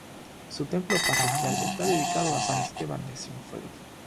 Su templo parroquial está dedicado a San Esteban de Cienfuegos.